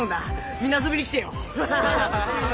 みんな遊びに来てよ。